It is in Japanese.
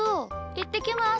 いってきます。